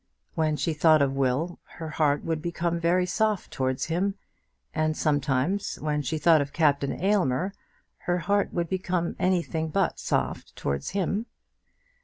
When she thought of Will her heart would become very soft towards him; and sometimes, when she thought of Captain Aylmer, her heart would become anything but soft towards him.